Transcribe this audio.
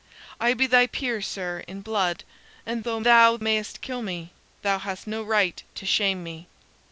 I be thy peer, sir, in blood; and though thou mayst kill me, thou hast no right to shame me."